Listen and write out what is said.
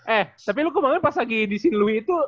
eh tapi lo kemarin pas lagi di sinti lwi itu